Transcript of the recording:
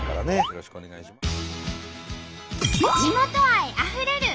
よろしくお願いします。